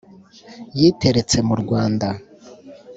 yiteretse mu rwanda